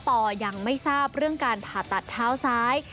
ปอยังไม่ทราบเรื่องการปาตรัสตาซ้าย